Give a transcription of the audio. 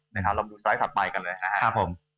เราดูสไลด์ถัดฝ่ายกันค่ะ